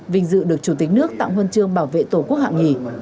vinh dự được chủ tịch nước tạo huân chư bảo vệ tổ quốc hạng hai